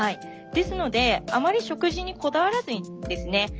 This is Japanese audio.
ですのであまり食事にこだわらずにですね